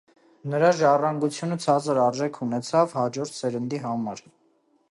Նրա ժառանգությունը ցածր արժեք ունեցավ հաջորդ սերնդի համար։